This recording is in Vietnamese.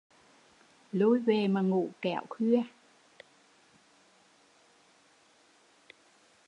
Lui về mà ngủ kẽo khuya